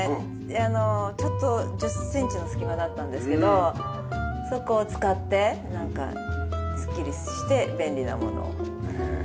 あのちょっと１０センチの隙間だったんですけどそこを使ってなんかすっきりして便利なものを。